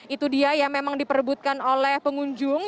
itu dia yang memang diperebutkan oleh pengunjung